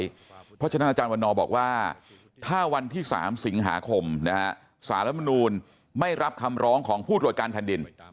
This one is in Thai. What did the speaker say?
เพราะฉะนั้นอาจารย์วันนอบอกว่าถ้าวันที่๓สิงหาคมสารมนูลไม่รับคำร้องของผู้ตรวจการแผ่นดิน